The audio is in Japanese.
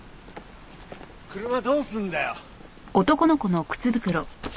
車どうすんだよ？